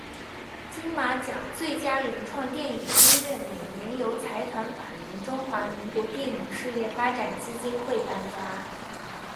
金马奖最佳原创电影音乐每年由财团法人中华民国电影事业发展基金会颁发。